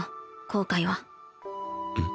後悔はん？